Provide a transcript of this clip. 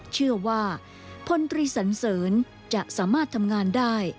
เชื่อว่าพลตรีสันเสริญจะสามารถทำงานได้